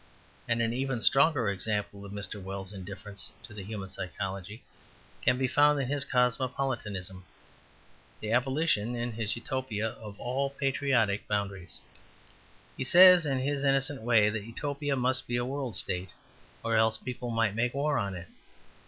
And an even stronger example of Mr. Wells's indifference to the human psychology can be found in his cosmopolitanism, the abolition in his Utopia of all patriotic boundaries. He says in his innocent way that Utopia must be a world state, or else people might make war on it.